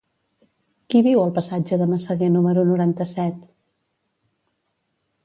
Qui viu al passatge de Massaguer número noranta-set?